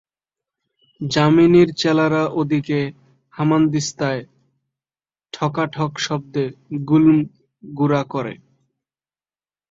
যামিনীর চেলারা ওদিকে হামাদিস্তায় ঠকাঠক শব্দে গুল্ম গুড়া করে।